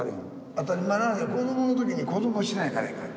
当たり前なのに子どもの時に子どもをしないからいかん。